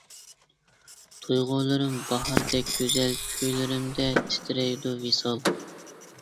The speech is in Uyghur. تۇيغۇلىرىم باھاردەك گۈزەل كۈيلىرىمدە تىترەيدۇ ۋىسال.